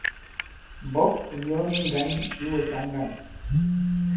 M̀mbɔ̌k ì myɔ̀ɔ mi ŋgǎn ǐ wɛsa ŋgân.